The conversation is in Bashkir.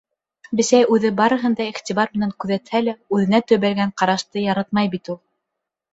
Бесәй үҙе барыһын да иғтибар менән күҙәтһә лә, үҙенә төбәлгән ҡарашты яратмай бит ул.